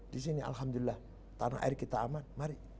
di sini alhamdulillah tanah air kita aman mari